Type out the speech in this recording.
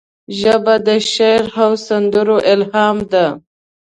ژبه د شعر او سندرو الهام ده